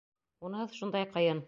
Унһыҙ шундай ҡыйын...